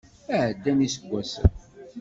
Ɛeddan yiseggasen.